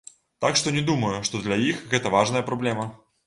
Так што не думаю, што для іх гэта важная праблема.